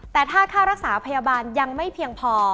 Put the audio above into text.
แต่ถ้าค่ารักษาพยาบาลยังไม่เพียงพอ